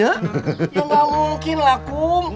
ya gak mungkin lah kump